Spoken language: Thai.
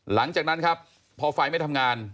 หลังจากนั้นครับพอไฟไม่ทำงาน